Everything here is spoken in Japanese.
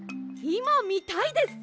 いまみたいです！